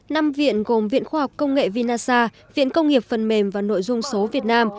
năm viện gồm viện khoa học công nghệ vinasa viện công nghiệp phần mềm và nội dung số việt nam